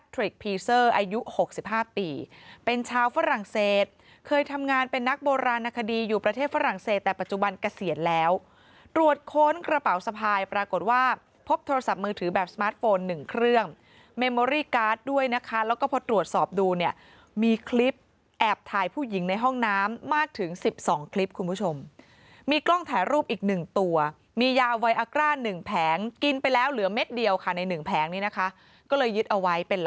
ตริกพีเซอร์อายุ๖๕ปีเป็นชาวฝรั่งเศสเคยทำงานเป็นนักโบราณคดีอยู่ประเทศฝรั่งเศสแต่ปัจจุบันเกษียณแล้วตรวจค้นกระเป๋าสะพายปรากฏว่าพบโทรศัพท์มือถือแบบสมาร์ทโฟนหนึ่งเครื่องเมโมรี่การ์ดด้วยนะคะแล้วก็พอตรวจสอบดูเนี่ยมีคลิปแอบถ่ายผู้หญิงในห้องน้ำมากถึง๑๒คลิปคุณ